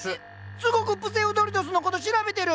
すごくプセウドリトスのこと調べてる！